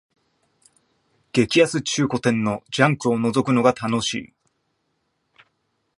激安中古店のジャンクをのぞくのが楽しい